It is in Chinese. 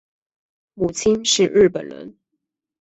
母亲是日本人。